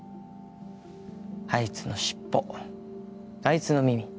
あいつのシッポあいつの耳